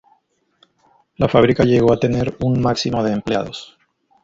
La fábrica llegó a tener un máximo de empleados.